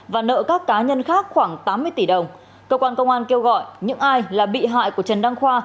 và nợ các cá nhân khác khoảng tám mươi tỷ đồng cơ quan công an kêu gọi những ai là bị hại của trần đăng khoa